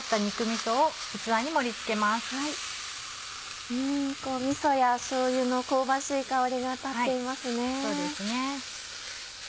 みそやしょうゆの香ばしい香りが立っていますね。